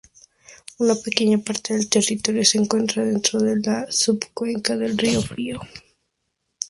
Una pequeña parte del territorio se encuentra dentro de la subcuenca del río Frío.